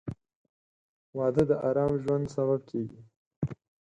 • واده د ارام ژوند سبب کېږي.